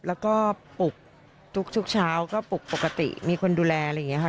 แล้วก็ปลุกทุกเช้าก็ปลุกปกติมีคนดูแลอะไรอย่างนี้ค่ะ